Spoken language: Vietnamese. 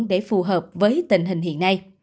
để phù hợp với tình hình hiện nay